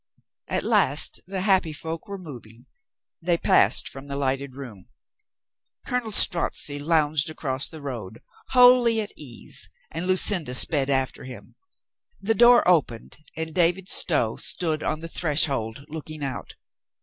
At last the happy folk were moving. They passed from the lighted room. Colonel Strozzi lounged across the road, wholly at ease, and Lucinda sped after him. The door opened and David Stow stood on the threshold looking out.